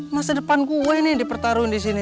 masa depan gue yang dipertaruhin di sini